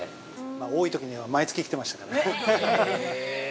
◆多いときには毎月来てましたからね。